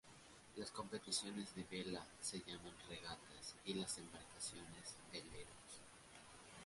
Las competiciones de vela se llaman regatas, y las embarcaciones veleros.